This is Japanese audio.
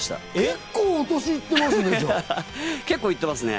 結構お年いってますね。